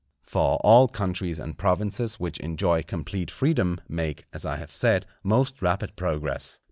For all countries and provinces which enjoy complete freedom, make, as I have said, most rapid progress.